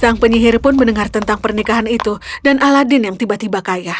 sang penyihir pun mendengar tentang pernikahan itu dan aladin yang tiba tiba kaya